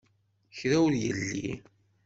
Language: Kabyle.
Kra ur yelli.